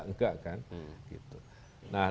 enggak kan nah